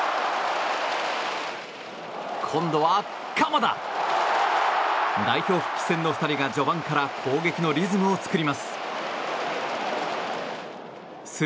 今度は、鎌田！代表復帰戦の２人が序盤から攻撃のリズムを作ります。